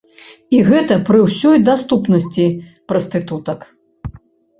І гэта пры ўсёй даступнасці прастытутак.